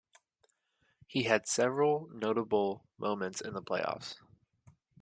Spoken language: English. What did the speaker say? He had several notable moments in the playoffs.